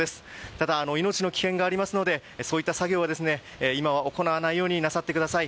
ただ、命の危険がありますのでそういった作業は今は行わないようになさってください。